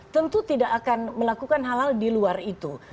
tentu tidak akan melakukan hal hal di luar itu